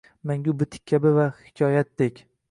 Mangu bitik kabi va hikoyatdek